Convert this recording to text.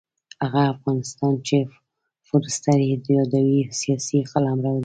هغه افغانستان چې فورسټر یې یادوي سیاسي قلمرو دی.